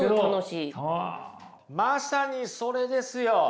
まさにそれですよ。